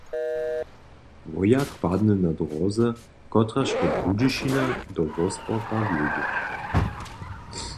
Wojak padny na dróze, kotraž wot Budyšina do Wósporka wjedźe.